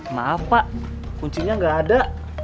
maaf pak kuncinya gak ada